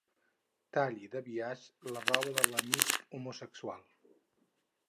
Talli de biaix la roba de l'amic homosexual.